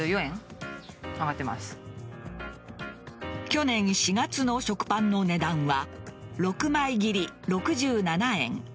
去年４月の食パンの値段は６枚切り６７円。